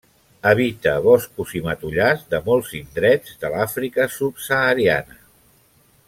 Habita boscos i matollars de molts indrets de l'Àfrica subsahariana.